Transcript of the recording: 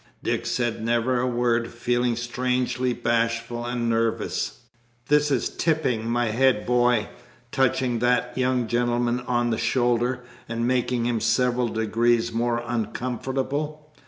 Dick said never a word, feeling strangely bashful and nervous. "This is Tipping, my head boy," touching that young gentleman on the shoulder, and making him several degrees more uncomfortable.